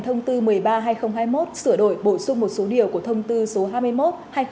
thông tư một mươi ba hai nghìn hai mươi một sửa đổi bổ sung một số điều của thông tư số hai mươi một hai nghìn hai mươi ba